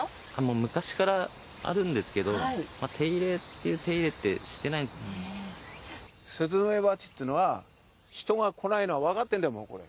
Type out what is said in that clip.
昔からあるんですけど、手入れという手入れってしてないんでスズメバチっていうのは、人が来ないの分かってんだよ。